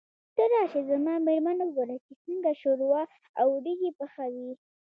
ته راشه زما مېرمن وګوره چې څنګه شوروا او وريجې پخوي.